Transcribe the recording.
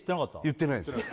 言ってないです